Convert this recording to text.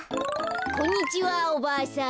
こんにちはおばあさん。